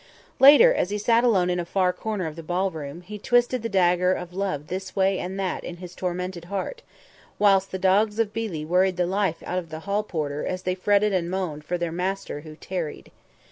Later, as he sat alone in a far corner of the ball room, he twisted the dagger of love this way and that in his tormented heart, whilst the dogs of Billi worried the life out of the hall porter as they fretted and moaned for their master who tarried.